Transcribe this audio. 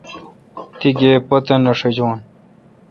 تی گیب پتہ نہ ݭاجون۔